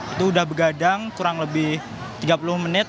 itu sudah begadang kurang lebih tiga puluh menit